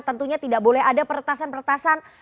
tentunya tidak boleh ada peretasan peretasan